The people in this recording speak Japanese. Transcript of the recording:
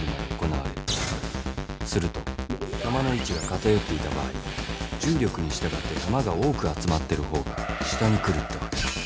すると弾の位置が片寄っていた場合重力に従って弾が多く集まってる方が下に来るってわけだ。